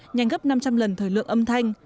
nhanh gấp năm trăm linh lần thời lượng âm thanh